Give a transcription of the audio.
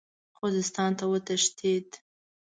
خوزستان ته وتښتېد.